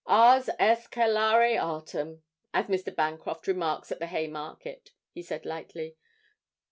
'"Ars est celare artem," as Mr. Bancroft remarks at the Haymarket,' he said lightly.